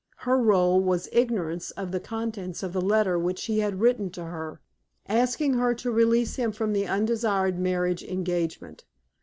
Her role was ignorance of the contents of the letter which he had written to her, asking her to release him from the undesired marriage engagement.